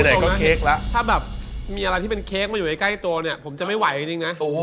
แล้วก็เทศแล้วค่ะแบบมีอะไรที่เป็นเครคไว้ใกล้ตัวเนี่ยผมจะไม่ไหวน้ำ